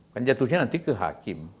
kan jatuhnya nanti ke hakim